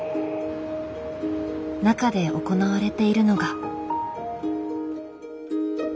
中で行われているのが。